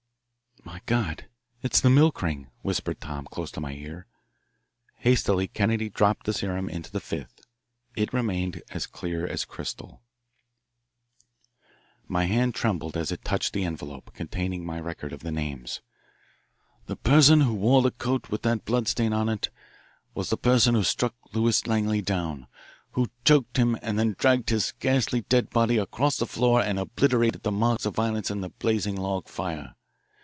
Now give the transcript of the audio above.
"My God, it's the milk ring!" whispered Tom close to my ear. Hastily Kennedy dropped the serum into the fifth. It remained as clear as crystal. My hand trembled as it touched the envelope containing my record of the names. "The person who wore the coat with that blood stain on it," declared Kennedy solemnly, "was the person who struck Lewis Langley down, who choked him and then dragged his scarcely dead body across the floor and obliterated the marks of violence in the blazing log fire.